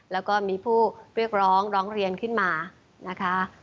แล้วก็มีผู้เรียกร้องร้องเรียนขึ้นมานะคะ